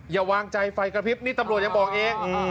อย่าวางใจไฟกระพริบนี่ตำรวจยังบอกเอง